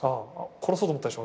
殺そうと思ったでしょ